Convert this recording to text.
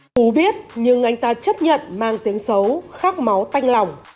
phú biết nhưng anh ta chấp nhận mang tiếng xấu khắc máu tanh lòng